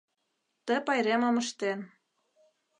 Ты пайремым ыштен.